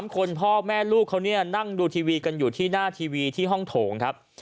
คนพ่อแม่ลูกเขาเนี่ยนั่งดูทีวีกันอยู่ที่หน้าทีวีที่ห้องโถงครับ